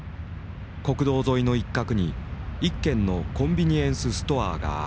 国道沿いの一角に一軒のコンビニエンスストアがある。